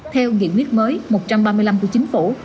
theo nghị quyết mới một trăm ba mươi năm của chính phủ